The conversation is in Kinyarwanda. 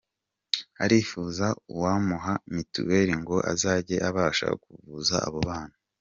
Arifuza uwamuha mitiweri ngo azajye abasha kuvuza abo bana.